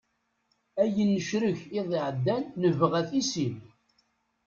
Ayen necrek iḍ iɛeddan nebɣa-t i sin.